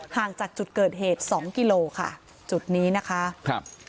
ห่างจากจุดเกิดเหตุสองกิโลค่ะจุดนี้นะคะครับ